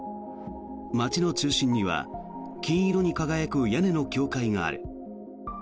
街の中心には金色に輝く屋根の協会がある。